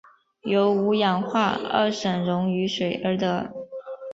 由五氧化二砷溶于水而得。